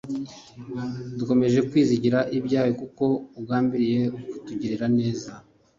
Dukomeje kwizigira ibyawe kuko ugambiriye dkutugirira neza